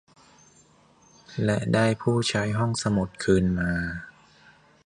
และได้ผู้ใช้ห้องสมุดคืนมา